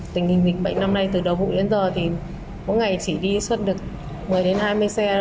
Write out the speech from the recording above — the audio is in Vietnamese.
tình hình bệnh năm nay từ đầu vụ đến giờ thì mỗi ngày chỉ đi xuất được một mươi đến hai mươi xe